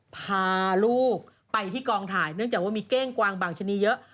พาลูกไปที่กองถ่ายเนื่องจากว่ามีเก้งกวางบางชนิดเยอะ